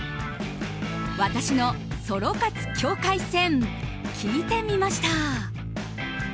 私のソロ活境界線聞いてみました。